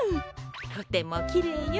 とてもきれいよ。